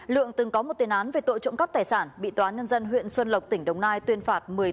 lượng từng có một tên án về tội trộm cắp tài sản bị tòa nhân dân huyện xuân lộc tỉnh đồng nai tuyên phạt một mươi tám tháng tù giam